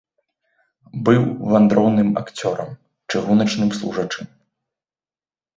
Быў вандроўным акцёрам, чыгуначным служачым.